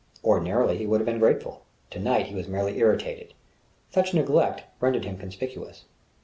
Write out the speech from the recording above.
Ordinarily he would have been grateful: to night he was merely irritated: such neglect rendered him conspicuous....